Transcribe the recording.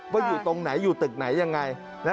หาที่ไหนอยู่ตึกไหนอย่างไร